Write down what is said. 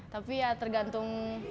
tapi ya tergantung